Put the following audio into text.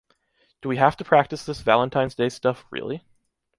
Do we have to practice this Valentines Day stuff really?